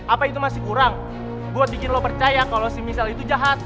apa itu masih kurang buat bikin lo percaya kalau si misal itu jahat